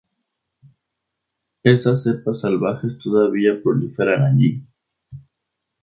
Esas cepas salvajes todavía proliferan allí.